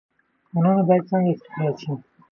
کانونه باید څنګه استخراج شي؟